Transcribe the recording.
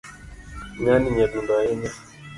Ngani nyadundo ahinya